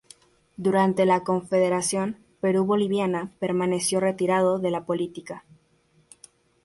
Durante la Confederación Perú-Boliviana permaneció retirado de la política.